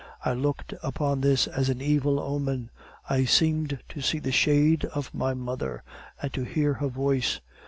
I looked upon this as an evil omen. I seemed to see the shade of my mother, and to hear her voice.